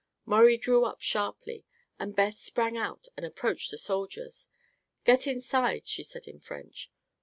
Maurie drew up sharply and Beth sprang out and approached the soldiers. "Get inside," she said in French.